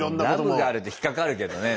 「ラブがある」って引っ掛かるけどね。